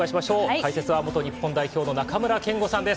解説は元日本代表の中村憲剛さんです。